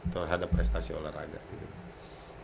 terhadap prestasi olahraga gitu